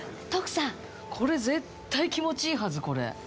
徳さんこれ絶対気持ちいいはずこれ。